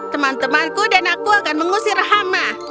teman temanku dan aku akan mengusir hama